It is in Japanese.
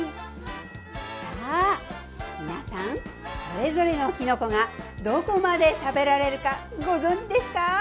さあ皆さん、それぞれのきのこがどこまで食べられるかご存じですか？